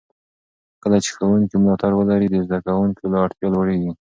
کله چې ښوونکي ملاتړ ولري، د زده کوونکو وړتیا لوړېږي.